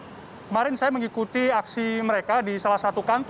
kemarin saya mengikuti aksi mereka di salah satu kantor